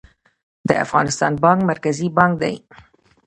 د افغانستان بانک مرکزي بانک دی